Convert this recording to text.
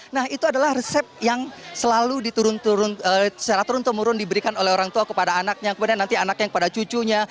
nah itu adalah resep yang selalu diturun turun secara turun temurun diberikan oleh orang tua kepada anaknya kemudian nanti anaknya kepada cucunya